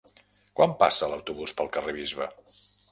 Quan passa l'autobús pel carrer Bisbe?